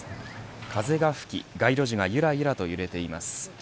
風が吹き街路樹がゆらゆらと揺れています。